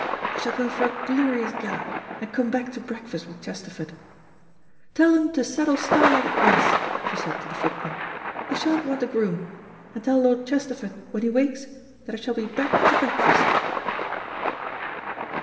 "I shall go for a glorious gallop, and come back to breakfast with Chesterford. Tell them to saddle Starlight at once," she said to the footman: "I sha'n't want a groom. And tell Lord Chesterford, when he wakes, that I shall be back to breakfast."